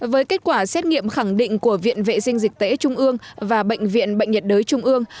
với kết quả xét nghiệm khẳng định của viện vệ sinh dịch tễ trung ương và bệnh viện bệnh nhiệt đới trung ương